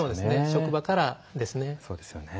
職場からですね。